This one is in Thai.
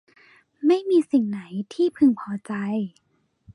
ไม่มีสิ่งไหนที่พึงพอใจ